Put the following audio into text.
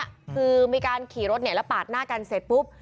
คือมีการขี่รถเนี่ยแล้วปาดหน้ากันเสร็จปุ๊บ